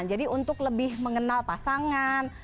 jadi untuk lebih mengenal pasangan